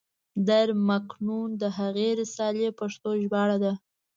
در مکنون د هغې رسالې پښتو ژباړه ده.